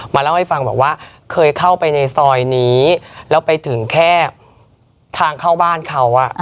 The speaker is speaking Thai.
เล่าให้ฟังบอกว่าเคยเข้าไปในซอยนี้แล้วไปถึงแค่ทางเข้าบ้านเขา